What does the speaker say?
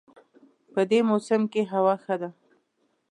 په دې موسم کې هوا ښه وي